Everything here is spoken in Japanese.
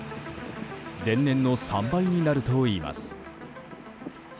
前年の３倍になるといいます。